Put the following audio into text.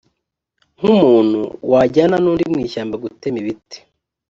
nk’umuntu wajyana n’undi mu ishyamba gutema ibiti;